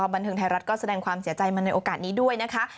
บันเทิงไทยรัฐก็แสดงความเสียใจมาในโอกาสนี้ด้วยนะคะ